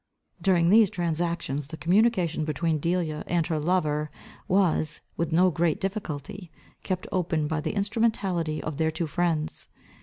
During these transactions, the communication between Delia and her lover was, with no great difficulty, kept open by the instrumentality of their two friends.